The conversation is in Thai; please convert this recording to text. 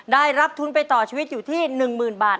ได้รับทุนไปต่อชีวิตอยู่ที่หนึ่งหมื่นบาท